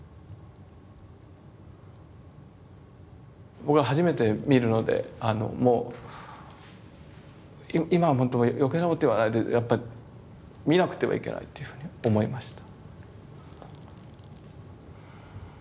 僕は初めて見るのでもう今はほんと余計なこと言わないでやっぱり見なくてはいけないっていうふうに思いました。